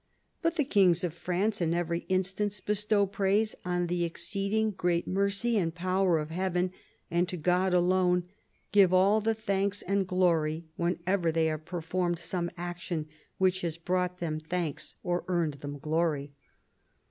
But the kings of France in every success bestow praise on the exceeding great mercy and power of Heaven, and to God alone give all the thanks and glory, whenever they have performed some action which has brought them thanks or earned them glory.